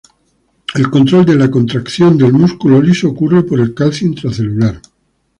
El control de la contracción del músculo liso ocurre por el calcio intracelular.